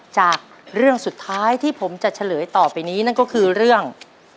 จากเรื่องสุดท้ายที่ผมจะเฉลยต่อไปนี้นั่นก็คือเรื่อง